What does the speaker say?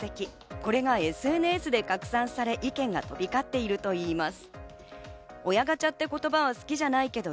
これがＳＮＳで拡散され、意見が飛び交っているといいます。